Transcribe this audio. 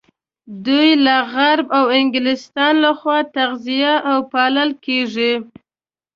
دوی له غرب او انګلستان لخوا تغذيه او پالل کېږي.